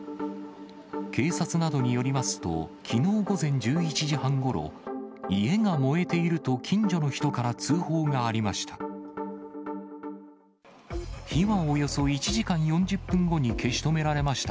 警察などによりますと、きのう午前１１時半ごろ、家が燃えていると近所の人から通報がありました。